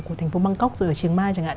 của thành phố bangkok rồi ở chiều mai chẳng hạn